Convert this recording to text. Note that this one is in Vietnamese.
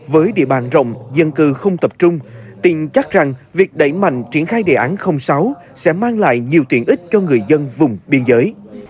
với địa bàn rộng dân cư không tập trung tin chắc rằng việc đẩy mạnh triển khai đề án sáu sẽ mang lại nhiều tiện ích cho người dân vùng biên giới